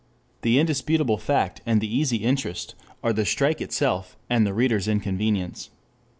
The indisputable fact and the easy interest, are the strike itself and the reader's inconvenience.